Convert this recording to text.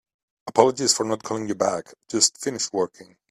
Apologies for not calling you back. Just finished working.